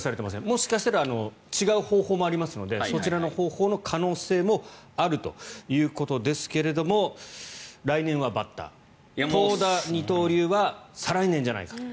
もしかしたら違う方法もありますのでそちらの方法の可能性もあるということですが来年はバッター、投打二刀流は再来年じゃないかと。